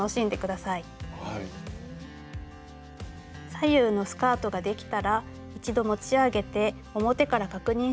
左右のスカートができたら一度持ち上げて表から確認してみましょう。